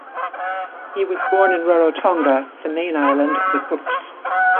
He was born in Rarotonga, the main island of the Cooks.